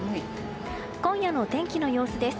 今夜の天気の様子です。